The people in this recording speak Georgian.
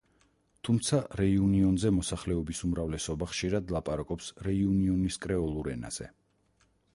თუმცა რეიუნიონზე მოსახლეობის უმრავლესობა ხშირად ლაპარაკობს რეიუნიონის კრეოლურ ენაზე.